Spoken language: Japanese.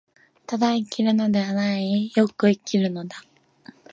ただ生きるのではない、善く生きるのだ。